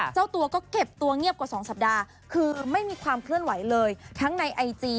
เจ้าตัวก็เก็บตัวเงียบกว่า๒สัปดาห์คือไม่มีความเคลื่อนไหวเลยทั้งในไอจี